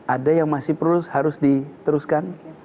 ada yang masih harus diteruskan